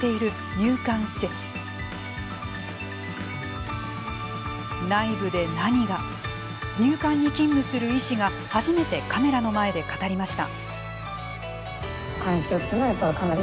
入管で勤務する医師が初めてカメラの前で語りました。